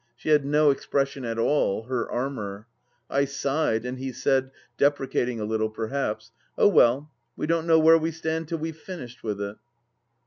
She had no expression at all — her armour. I sighed, and he said — deprecating a little, perhaps ?—" Oh, well, we don't know where we stand till we've finished with it."